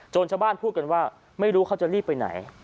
ชาวบ้านพูดกันว่าไม่รู้เขาจะรีบไปไหน